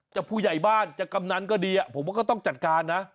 ผู้ใหญ่บ้านจะกำนันก็ดีผมว่าก็ต้องจัดการนะ